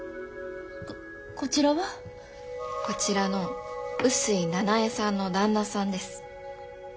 ここちらは？こちらの臼井奈苗さんの旦那さんです。え？